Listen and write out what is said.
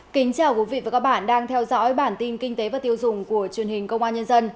kính chào quý vị và các bạn đang theo dõi bản tin kinh tế và tiêu dùng của truyền hình công an nhân dân